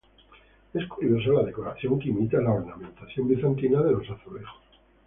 Es curiosa la decoración que imita la ornamentación bizantina de azulejos.